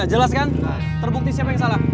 jelas kan terbukti siapa yang salah